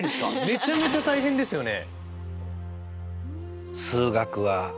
めちゃめちゃ大変ですよね！